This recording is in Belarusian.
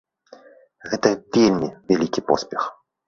Гэта вельмі вялікі поспех.